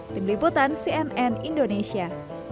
tinggalkan cnn indonesia